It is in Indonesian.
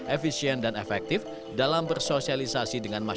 efisien dan efektif dalam bersosialisasi